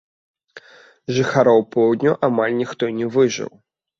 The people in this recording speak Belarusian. З жыхароў поўдню амаль ніхто не выжыў.